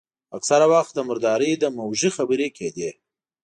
اکثره وخت د مردارۍ د موږي خبرې کېدې.